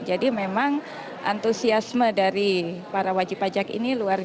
jadi memang antusiasme dari para wajib pajak ini luar biasa di tahun ini